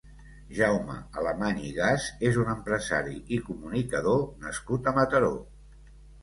Jaume Alemany i Gas és un empresari i comunicador nascut a Mataró.